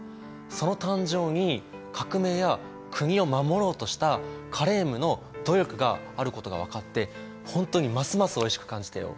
その誕生に革命や国を守ろうとしたカレームの努力があることが分かって本当にますますおいしく感じたよ。